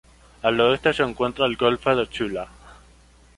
Al oeste se encuentra el golfo de Zula.